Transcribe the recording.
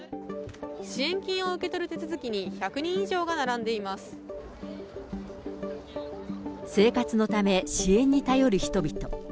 支援金を受け取る手続きに、生活のため、支援に頼る人々。